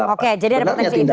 oke jadi ada potensi itu